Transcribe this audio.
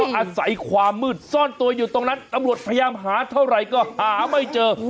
อาศัยความมืดซ่อนตัวอยู่ตรงนั้นตำรวจพยายามหาเท่าไหร่ก็หาไม่เจอ